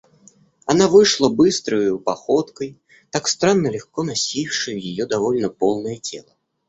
Она вышла быстрою походкой, так странно легко носившею ее довольно полное тело.